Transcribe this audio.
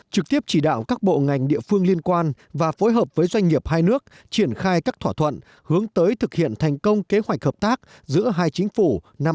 trực tiếp chỉ đạo các bộ ngành địa phương liên quan và phối hợp với doanh nghiệp hai nước triển khai các thỏa thuận hướng tới thực hiện thành công kế hoạch hợp tác giữa hai chính phủ năm hai nghìn hai mươi